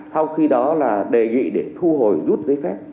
sau khi đó là đề nghị để thu hồi rút giấy phép